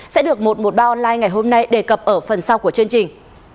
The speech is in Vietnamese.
sẽ được một trăm một mươi ba online ngày hôm nay đề cập ở phần sau của chương trình